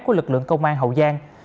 của lực lượng công an hậu giang